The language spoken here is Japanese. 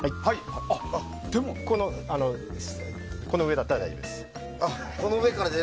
この上だったら大丈夫です。